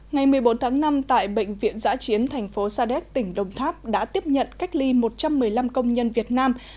ngày một mươi bốn tháng năm tại bệnh viện giã chiến thành phố sa đéc tỉnh đồng tháp đã tiếp nhận cách ly một trăm một mươi năm công nhân việt nam